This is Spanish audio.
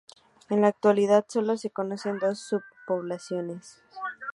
En la actualidad solo se conocen dos subpoblaciones.